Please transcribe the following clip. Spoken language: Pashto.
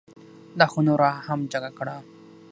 دا خو نوره یې هم جگه کړه.